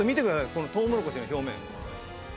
このトウモロコシの表面。